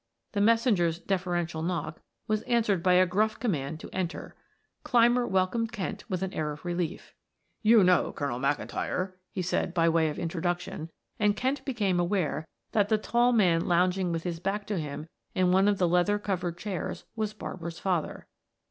The messenger's deferential knock was answered by a gruff command to enter. Clymer welcomed Kent with an air of relief. "You know Colonel McIntyre," he said by way of introduction, and Kent became aware that the tall man lounging with his back to him in one of the leather covered chairs was Barbara's father.